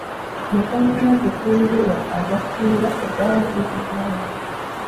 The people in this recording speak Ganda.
Amasannyalaze g'enjuba agasinga tegaagulibwa bantu.